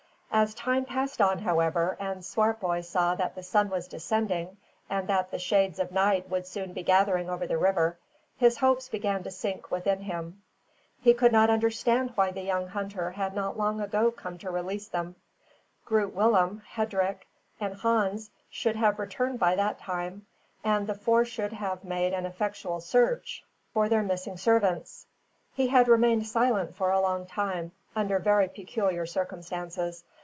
As time passed on, however, and Swartboy saw that the sun was descending, and that the shades of night would soon be gathering over the river, his hopes began to sink within him. He could not understand why the young hunter had not long ago come to release them. Groot Willem, Hendrik, and Hans should have returned by that time; and the four should have made an effectual search for their missing servants. He had remained silent for a long time, under very peculiar circumstances.